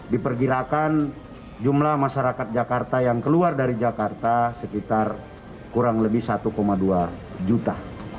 diperkirakan jumlah masyarakat jakarta yang keluar dari jakarta sekitar kurang lebih satu dua juta